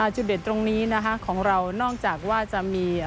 จุดเด่นตรงนี้นะคะของเรานอกจากว่าจะมี